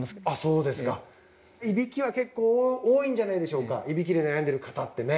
そうですかいびきは結構多いんじゃないでしょうかいびきで悩んでる方ってね